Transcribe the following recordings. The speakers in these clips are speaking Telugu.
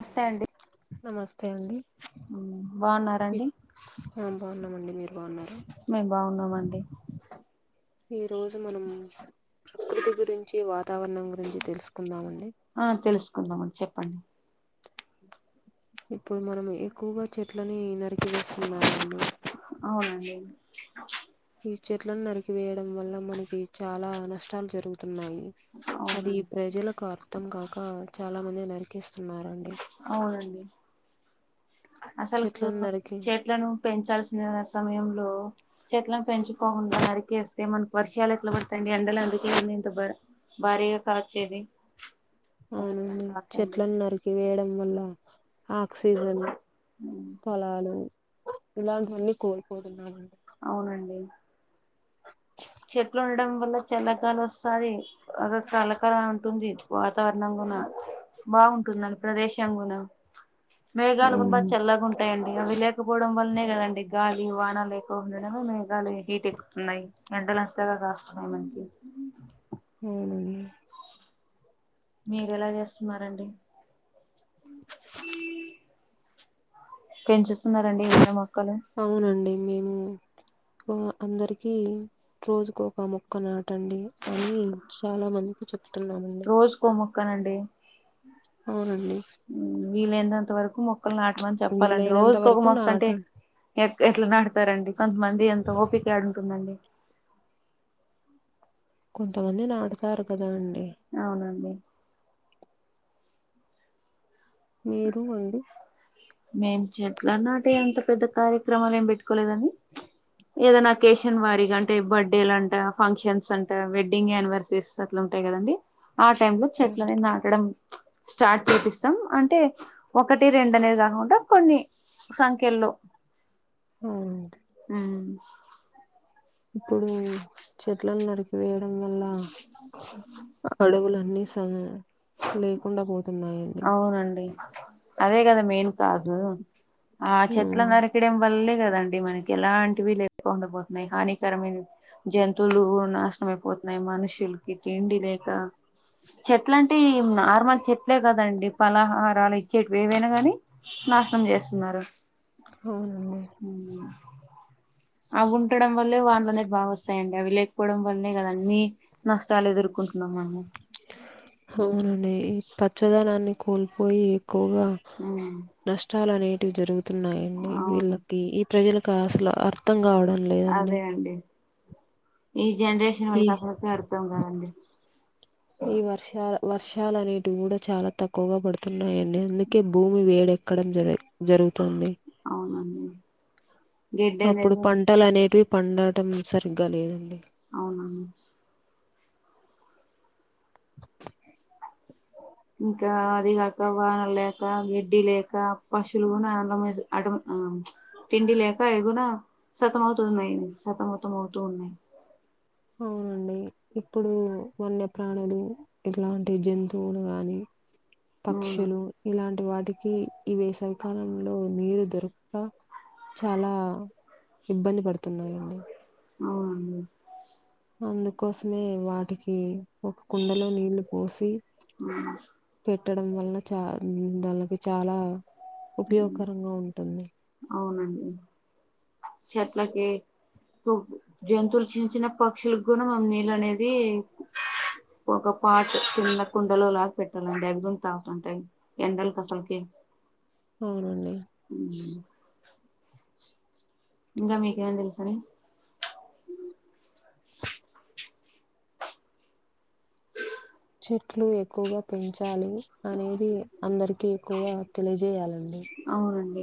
వస్తే అండి నమస్తే అండి బాగున్నార అండి ఆ బాగున్నామండి మీరు బాగున్నార మేము బాగున్నాం అండి అ ఈ రోజు మనం ప్రకృతి గురించి వాతావరణం గురించి తెలుసుకుందామ అండి ఆ తెలుసుకుందాం అండి చెప్పండి ఇప్పుడు మనం ఎక్కువగా చెట్లని నరికి వేస్తున్నరు అండి అవునండి ఈ చెట్లను నరికివేయడం వల్ల మనకి చాలా నష్టాలు జరుగుతున్నాయి అది అవునండి ప్రజలకు అర్థం కాక చాలా మంది నరికేస్తున్నారు అవునండి అసలుకు చెట్లను నరికి చెట్లను పెంచాల్సిన సమయంలో చెట్లను పెంచకోకుండా నరికేస్తే మనకు వర్షాలు ఎట్లా పడతాయి అండి ఎండల అందుకే ఇంత భారీగా కాచేది అది అర్థం అవునండి కాకండి చెట్లును నరికి వేయడం వల్ల ఆక్సిజన్ పొలాలు ఇలాంటివన్నీ కోల్పోతున్నామండి అవునండి చెట్లు ఉండడం వల్ల చల్లగాలి వస్తాది అద కలకల ఉంటుంది వాతావరణం గున బాగుంటుందండి ప్రదేశం గూనా మేఘాలు కూడా బాగా అవునండి తెల్లగా ఉంట ఉంటాయండి అవి లేకపోవడం వల్లనే కదండి గాలి వానా లేకోకుండా మే లు హీట్ ఎక్కుతున్నాయి ఎండలు అంతగా కాస్తున్నాయి మనకి ఉ ఊ మీర ఎలా చేస్తున్నారండి ఉమ్ పెంచుస్తున్నారండి ఎన్న మొక్కలు అవునండి మేము ఆ అందరికి రోజుకు ఒక మొక్క నాటండి అని చాలా మందికి చెప్తున్నామండి కోజకో ముక్కనండి అవునండి వీలైనంత వరకు మొక్కలు నాటమని చెప్పాలండి వీలైనంత రోజుక ఒక వరకు మొక్క నాట అంటే ఎక్ ఎట్లా నాడతారండి కొంతమంది అంత ఓపిక ఏడు ఉంటుందండి కొంతమంది నాడుతారు కదా అండి అవునండి మీరు అండి మేం చెట్ల నాటే అంత పెద్ద కార్యక్రమాలు ఏం పెట్టుకోలేదండి ఏదైనా అకేషన్ వారిగ అంటే బర్త్డేలు అంట ఫంక్షన్స్ అంట వెడ్డింగ్ యానివర్సరీస్ అట్లా ఉంటాయి కదండి ఆ టై లో చెట్లలనే నాటడం స్టార్ట్ చేపిస్తాం అంటే ఒకటి రెండనేగా నుండ కొన్ని సంఖ్యల్లో అవునండి ఉమ్ ఇప్పుడు చెట్లను నరికివేయడం వల్ల అడవులన్ని సన లేకుండా పోతున్నాయండి అవునండి అదే కదా మెయిన్ కాజు ఆ ఉమ్, చెట్లందరి క్కడం వల్లే కదండి మనకి ఎలాంటివి లేకుండా పోతున్నాయి హానికరమైనవి జంతువులు నాస్ నం అయిపోతున్నాయి మనుషులకి తిండి లేక చెట్ల అంటే ఈ నార్మల్ చెట్లే కదండి ఫలాహారాలు ఇచ్చేటివి ఏవైనా గాని నాశనం చేస్తున్నారు అవునండి అవి ఉంటడం వల్లే వానులనేది బాగా వస్తాయండి అవి లేకపోవడం వల్నే కదా అన్ని నష్టాలు ఎదురుకున్ అవునండి ఈ పచ్చదనాన్ని కోల్పోయి ఎక్కువగా అవున నష్టాలు అనేటివి జరుగుతున్నాయండి అవును వీళ్ళకి ఈ ప్రజలక అసల అర్థం కావడం లేద్ అదే అండి ఈ జనరేషన్ ఈ వాళ్ళకి అసలకే అర్థం కాదండి ఈ వర్షాల వర్షాలు అనేటివి కూడా చాలా తక్కువగా పడుతున్నాయండి అందు కే భూమి వేడెక్కడం జరగ్ జరుగుతుంది అవునండి గడ్డి అప్పుడు అనేది పంటలు అనేవి పండటం సరిగ్గా లేదండి అవునండి ఇంకా అది కాక వానల లేక గడ్డి లేక పశులు కూడా అన్నమేజ్ అటమ్ తిండి లేక ఎగున సతమ అవుతున్నాయి సతమతం అవుతూ ఉన్నాయి అవునండి ఇప్పుడు వన్య ప్ర్రాణులు ఇట్లాంటి జంతువులు గాని అవును పక్షులు ఇలాంటి వాటికి ఈ వేసవికాలంలో నీరు దొరుక్క చాలా ఇబ్బంది పడుతున్నాయండి అవునండి అందుకోసమే వాటికి ఒక కుండలో నీళ్ళు పోసి ఉ పెట్టడం వల్ల చా దానికి చాలా ఉమ్, ఉపయోగకరంగా ఉంటుంది అవునండి చెట్లకే జంతువులు చిన్న చిన్న పక్షులకు కూడా మం నీళ్ళు అనేది ఒక పాటు చిన్న కుండలు లాగా పెట్టాలండి అవిగున తాగుతుంటాయి ఎండలకి అసలకి అవునండి ఊ ఇంకా మీకేమైనా తెలుసాండి చెట్లు ఎక్కువగా పెంచాలి అనేది అందరికి ఎక్కువగా తెలియజేయాలండి అవునండి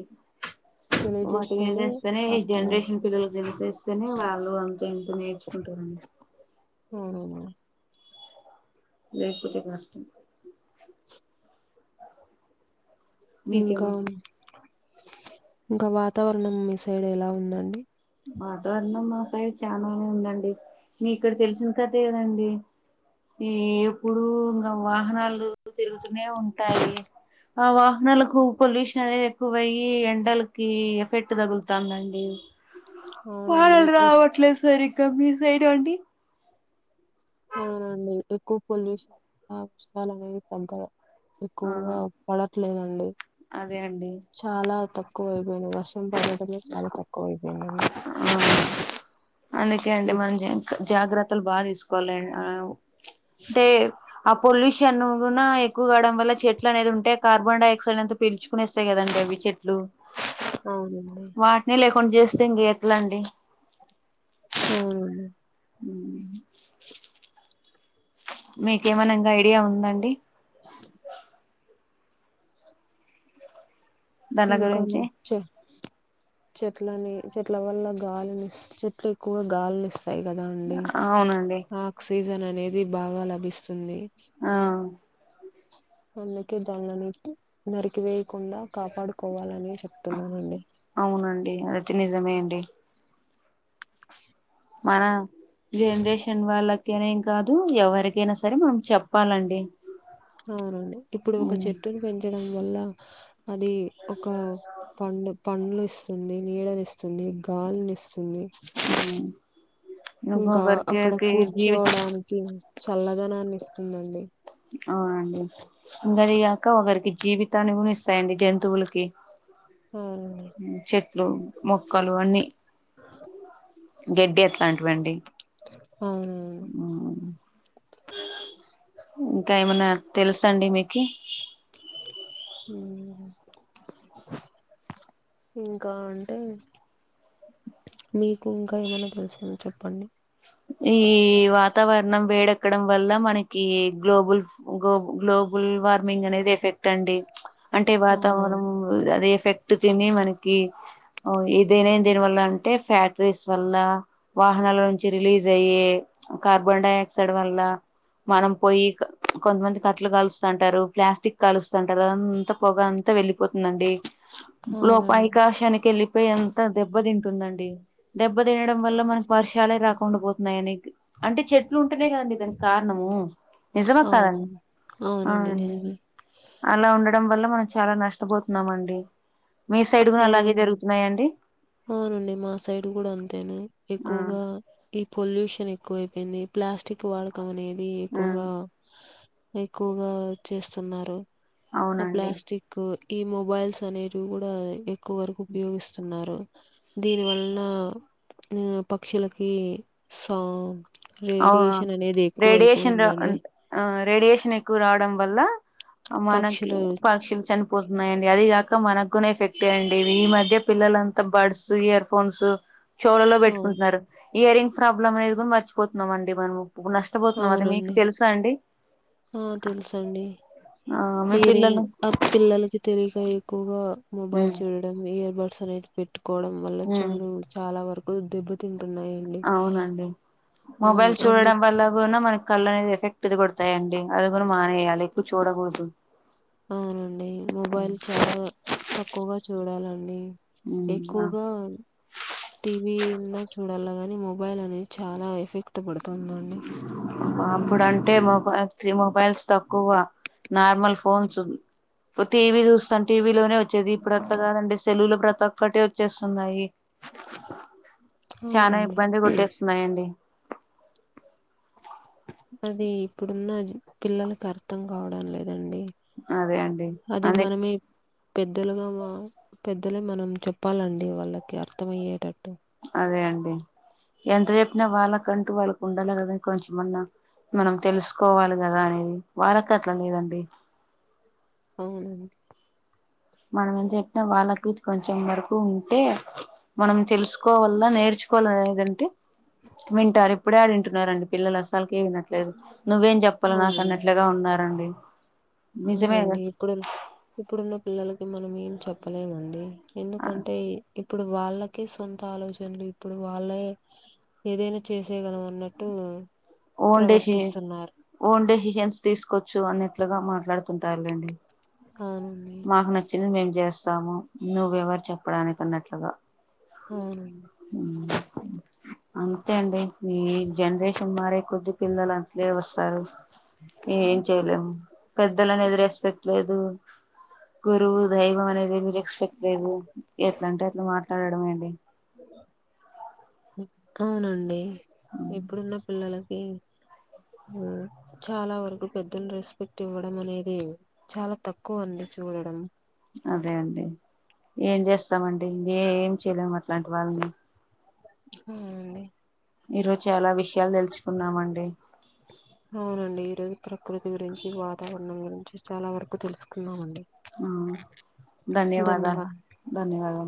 వాటి మీద తెలియజేస్తేనే ఇస్తేనే ఈ అర్థం అవు- జనరేషన్ పిల్లకి తెలిసేస్తేనే వాళ్ళు అంత ఇంతో నేర్చుకుంటారండి ఉ లేకపోతే కష్టం ఇంకా మీకేమన్ ఇంకా వాతావరణం మీ సైడ్ ఎలా ఉందండి వాతావరణం మా సైడ్ చాలానే ఉందండి మీ ఇక్కడ తెలిసిన కథే కదండి ఈ ఎప్పుడు ఇంకా వాహనాలు తిరుగుతూనే ఉంటాయి ఆ వాహనాలకు పొల్యూషన్ అనేది ఎక్కువ అయ్యి ఎండలకి ఎఫెక్ట్ తగులుతందండి వానలు అవునండి రావట్లేదు సరిగా మీ సైడ్ అండి అవునండి ఎక్కువ పొల్యూషన్ అంశాల అనేవి తగ్గలా ఆ ఎక్కువగా పడట్లేదండి అదే అండి చాలా తక్కువ అయిపోయింది వర్షం పడటమే చాలా తక్కువ అయింది ఆ అందుకే అండి మనం జ జాగ్రత్తలు బాగా తీసు కోలే ఆ దే అప్ పొల్యూషన్ కూనా ఎకువడం వల్ల చెట్లు అనేది ఉంటే కార్బన్ డ ఆక్సైడ్ అంత పీలుచుకునేస్త వస్తాయి కదండి అవి చెట్లు అవునండి వాటిని లేకుండా చేస్తే ఇంకా ఎట్లాండి అవునండీ మ్ మీకేమనా ఇంగ ఐడియా ఉందండి దాని ఇంకానా గురించి చె చెట్లని చెట్ల వల్ల గాలిని చెట్లు ఎక్కువ గాలిని ఇస్ స్తాయి కదా అండి అవునండి ఆక్సజన్ అనేది బాగా లభిస్తుంది ఆ అందుకే దాంల నట్టి నరికివేయకుండా కాపాడుకోవాలని చెప్తున్నానండి అవునండి అయితే నిజమే అండి మన జనరేషన్ వాళ్ళకైనా ఏం కాదు ఎవరికైనా సరే మనం చెప్పాలండి అవునండి ఇప్పుడు ఒక ఉమ్ చెట్టును పెంచడం వల్ల అది ఒక పండ్ పండ్లు ఇస్తుంది నీడని ఇస్తుంది గాలిని ఇస్తుంది ఉ ఇంకా అక్కడ జీవి కూర్చోవడానికి చల్లదనాన్ని ఇస్తుందండి అవునండి ఇంగ అది గాక ఒకరికి జీవితాన్ని కూడా ఇస్తాయండి జంతువులకి ఉ చెట్లు మొక్కలు అన్నీ ఆ గడ్డి అట్లాంటివండి అవును ఇంకా ఏమన్న తెలుస అండి మీకి ఉ ఇంకా అంటే మీకు ఇంకా ఏమన్నా తెలుసేమో చెప్పండి ఈ వాతావరణం వేడక్కడం వల్ల మనకి గ్లోబుల్స్ గో గ్లోబల్ వార్మింగ్ అనేది ఎఫెక్ట్ అండి అంటే వాతావరం అవునవును అదే ఎఫెక్ట్ తిని మనకి ఇదే దేనివల్ల అంటే ఫ్యాక్టరీస్ వల్ల వాహనాల నుంచి రిలీజ్ అయ్యే కార్బన్ డైఆక్సైడ్ వల్ల మనం పోయి కొంతమంది కట్టలు కాలుస్తుంటారు ప్లాస్టిక్ కాలుస్తుంటారు అదంతా పొగ అంతా వెళ్ పోతుందండి లోప అవునండి ఆకాశానికి వెళ్ళిపోయేంత దెబ్బ తింటుందండి దెబ్బ తినడం వల్ల మనకి వర్షాలే రాకు కుండా పోతున్నాయని అంటే చెట్లు ఉంటేనేయి కదండి దానికి కారణము నిజమా కాదండి అవునండి అవునండి అలా ఉండడం వల్ల మనం చాలా నష్టపోతున్నాము అండి మీ సైడ్ కూడా అలాగే అవునండి జరుగుతున్నాయండి అవునండి మా సైడ్ కూడా అంతేనే ఆ ఎక్కువుగా ఈ పొల్యూషన్ ఎక్కువైపోయింది ప్లాస్టిక్ వాడకం అనేది ఆ ఎక్కువగా ఎక్కువగా చేస్తున్నారు ఆ అవునండి ప్లాస్టి క్ ఈ మొబైల్స్ అనేవి కూడా ఎక్కువ వరకు ఉపయోగిస్తున్నారు దీని వల్లన ఉ పక్షులకి సాంగ్ అవును రేడియేషన్ అనేది ఎక్కువ రేడియేషన్ రా అయిపోయిందనే ఆ రేడియేషన్ ఎక్కువ రావడం వల్ల మనకి పక్షులు పక్షులు చని పోతున్నాయండి అది కాక మనకు కూడానే ఎఫెక్టే అండి ఈ మధ్య పిల్లలంతా బడ్స్ ఇయర్ ఫోన్స్ చెవులలో అవును పెట్టుకుంటున్నారు ఇయర్ రింగ్ ప్రాబ్లమ్ అనేది కూడా మర్చిపోతున్నాం అండి మనము నష్ పోతున్నాం అది మీకు అవునండి తెలుసా అండి ఆ తెలుసండి ఆ మీ ఈరింగ్ పిల్లలు ఆ పిల్లలకి తెలిక ఎక్కువగా మొబైల్ ఉమ్ చూడడం ఇయర్ బడ్స్ అనేవి పెట్టుకోవడం వల్ల ఉమ్ చెవులు చాలా వరకు దెబ్బ తింటున్నాయి అవునండి మొబైల్ అందు చూడడం వల్ల ఉనా మన కళ్లు అనేది ఎఫెక్ట్ది కొడతాయి అండి అది కూడా మానేయాలి ఎక్కువ చూడకూడదు అవునండి మొబైల్ చాలా తక్కువగా చూడాలండి ఉమ్ ఆ ఎక్కువగా టీవీన్నా చూడల్ల గాని మొబైల్ అనేది చాలా ఎఫెక్ట్ పడుతుందండి అప్పుడు అంటే మొబై తి మొబైల్స్ తక్కువ నార్మల్ ఫోన్స్ ఓ టీవీ చూస్తాం టీవీలోనే వ చ్చేది ఇప్పుడు అట్ల కాదండి సెల్లులో ప్రతి ఒక్కటి వచ్చేస్తున్నాయి చాలా అవునండి ఇబ్బంది కొట్టేస్తున్నాయండి అది ఇప్పుడున్న పిల్లలకి అర్థం కావడం లేదండి అదే అండి అది అదే మనమే పెద్దలుగా మా పెద్దలే మనం చెప్పాలండి వాళ్ళకి అర్థం అయ్యేటట్టు అదే అండి ఎంత చెప్పినా వాళ్ళకంటూ వాళ్ళకు ఉండాల కదని కొంచమన్నా మనం తెలుసుకోవాలి కదా అనేది వాళ్ళకి అట్లా లేదండి అవును మనం ఏం చెప్పినా వాళ్ళకి కొంచెం వరకు ఉంటే మనం తెలుసుకోవల్ల నేర్చుకోవాలనేది ఉంటే వింటారు ఇప్పుడే ఏడ వింటున్నారండి పిల్లలు అసలుకి వినట్లేదు నువ్వేం చెప్ ప్పలు నాకు అవునండి అన్నట్లుగా ఉన్నారండి నిజమేగా అవునండి ఇప్పుడు ఇప్పుడున్న పిల్లలకి మనం ఏం చెప్పలేమండి ఎందుకంటే ఇప్పుడు వాళ్ళకే సొంత ఆలోచనలు ఇప్పుడు వాళ్ళే ఏదైనా చేసేయగలం అన్నట్టు ఓన్ డెసిన్ ప్రవర్తిస్తున్నారు ఓన్ డెసిషన్స్ తీసుకోవచ్చు అన్నట్లుగా మాట్లాడుతుంటారులేండి అవును మాకు నచ్చినది మేం చేస్తాము నువ్వెవరు చెప్పడానికిన్నట్లుగా అవునండి అంతే అండి ఈ జనరేషన్ మారే కొద్ది పిల్లలం లే వస్తారు ఏం చేయలేము పెద్దలనే ఏది రెస్పెక్ట్ లేదు గురువు దైవం అనేది రెస్పెక్ట్ లేదు ఎట్లా అంటే అట్లా మాట్లాడడం అండి అవునండి ఇప్పుడున్న పిల్లలు ఈ చాలా వరకు పెద్దలు రెస్పెక్ట్ ఇవ్వడం అనేది చాలా తక్కువ అండి చూడడం అదే అండి ఏం చేస్తామండి ఏం చేయలేము అట్లాంటి వాళ్ళని ఉనండి ఈరోజు చాలా విషయాలు తెలుసుకున్నామండి అవునండి ఈరోజు ప్రకృతి గురించి వాతావరణం గురించి చాలా వరకు తెలుసుకున్నామండి ఆ ధన్యవాదా ధన్యవాద ధన్యవాదాలు